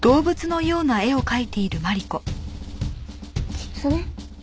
キツネ？